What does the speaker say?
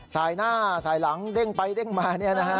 สายหน้าสายหลังเด้งไปเด้งมา